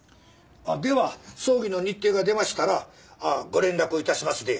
では葬儀の日程が出ましたらご連絡いたしますで。